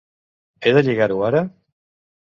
He de llegir-ho ara?